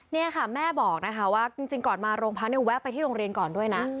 นี่ค่ะแม่บอกนะคะว่าจริงก่อนมาโรงพักเนี่ยแวะไปที่โรงเรียนก่อนด้วยนะ